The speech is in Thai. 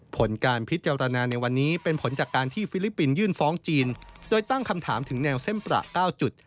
ผลการพิจารณาในวันนี้เป็นผลจากการที่ฟิลิปปินสยื่นฟ้องจีนโดยตั้งคำถามถึงแนวเส้นประ๙จุด